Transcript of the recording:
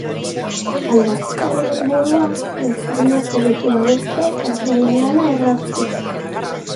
Aldaketaren helburua, ertzainak hobeto babestea eta beraien lana erraztea.